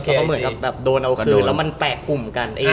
ก็เหมือนกับแบบโดนเอาคืนแล้วมันแตกกลุ่มกัน